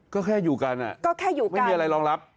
ก็แค่อยู่กันไม่มีอะไรรองรับ